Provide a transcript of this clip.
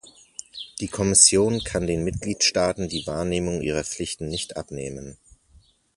Die Kommission kann den Mitgliedstaaten die Wahrnehmung ihrer Pflichten nicht abnehmen.